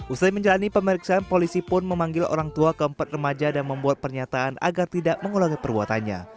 usai menjalani pemeriksaan polisi pun memanggil orang tua keempat remaja dan membuat pernyataan agar tidak mengulangi perbuatannya